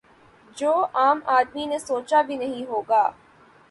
جو عام آدمی نے سوچا بھی نہیں ہو گا